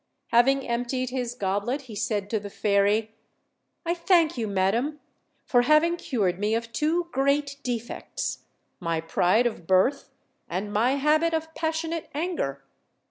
Having emptied his goblet, he said to the fairy: "I thank you, madam, for having cured me of two great defects: my pride of birth, and my habit of pas sionate anger.